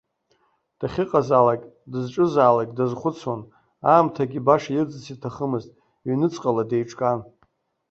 Дахьыҟазаалак, дызҿызаалак дазхәыцуан, аамҭагьы баша ирӡырц иҭахымызт, ҩнуҵҟала деиҿкаан.